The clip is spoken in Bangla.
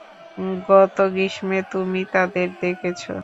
গত গ্রীষ্মে তুমি তাঁদের দেখেছ।